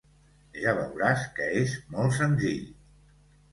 Ja veuràs que és molt senzill.